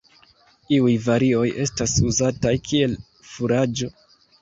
Iuj varioj estas uzataj kiel furaĝo.